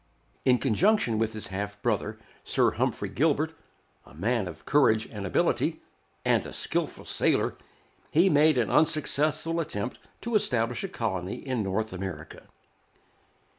In conjunction with his half brother, Sir Humphrey Gilbert, a man of courage and ability, and a skilful sailor, he made an unsuccessful attempt to establish a colony in North America.